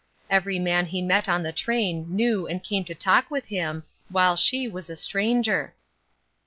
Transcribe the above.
Every man he met on the train knew and came to talk with him, while she was a stranger.